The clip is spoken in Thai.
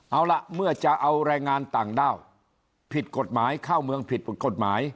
เอาล่ะเมื่อจะเอาแรงงานต่างด้าวผิดกฎหมายเข้าเมืองผิดกฎหมาย